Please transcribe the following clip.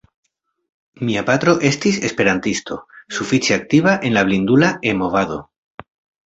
Mia patro estis esperantisto, sufiĉe aktiva en la blindula E-movado.